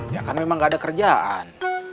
ya kan memang gak ada kerjaan